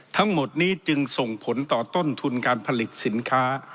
ทั้งหมดนี้จึงส่งผลต่อต้นทุนการผลิตสินค้า